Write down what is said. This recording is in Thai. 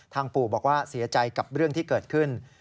ปู่บอกว่าเสียใจกับเรื่องที่เกิดขึ้น